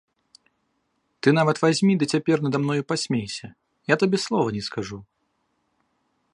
Ты нават вазьмі ды цяпер нада мною пасмейся, я табе слова не скажу.